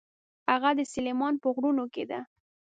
هغه د سلیمان په غرونو کې ده.